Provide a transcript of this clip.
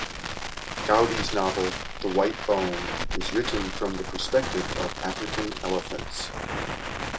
Gowdy's novel "The White Bone" is written from the perspective of African elephants.